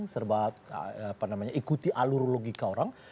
serba ikuti alur logika orang